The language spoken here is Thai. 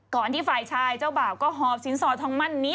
ที่ฝ่ายชายเจ้าบ่าวก็หอบสินสอดทองมั่นนี้